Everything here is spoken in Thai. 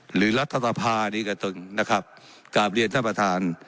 รัฐสภานี้ก็ตึงนะครับกราบเรียนท่านประธาน